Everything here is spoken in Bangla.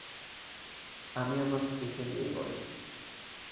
আমি আমার স্ত্রীকে বিয়ে করেছি।